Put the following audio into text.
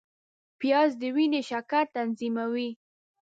پیاز د وینې شکر تنظیموي